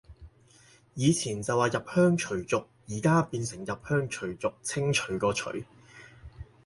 以前就話入鄉隨俗，而家變成入鄉除族，清除個除